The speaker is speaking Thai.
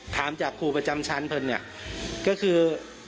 ถามจากครูประจำชั้นเพลินเนี่ยก็คือ